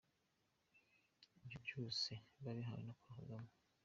Ibyo byose babihawe na Paul Kagame.